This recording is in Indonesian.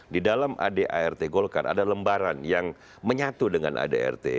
di dalam ad art golkar ada lembaran yang menyatu dengan ad art